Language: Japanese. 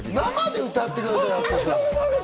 生で歌ってくださいよ。